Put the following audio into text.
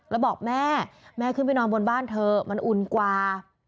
แล้วบอกแม่แม่ขึ้นไปนอนบนบ้านเถอะมันอุ่นกว่า